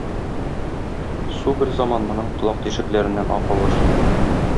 Су берзаман моның колак тишекләреннән ага башлый.